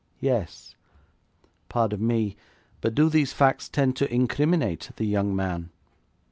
'Yes.' 'Pardon me, but do these facts tend to incriminate the young man?'